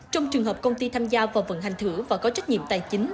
trong trường hợp công ty tham gia vào vận hành thử và có trách nhiệm tài chính